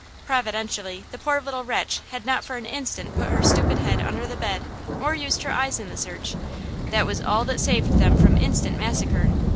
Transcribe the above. Providentially, the poor little wretch had not for an instant put her stupid head under the bed, or used her eyes in the search–that was all that saved them from instant massacre!